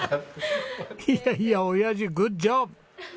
いやいやオヤジグッジョブ！